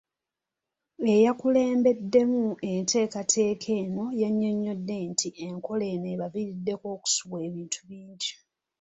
Eyakulembeddemu enteekateeka eno yannyonnyodde nti enkola eno abaviiriddeko okusubwa ebintu bingi.